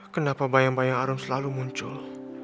kenapa bayang bayang arung selalu muncul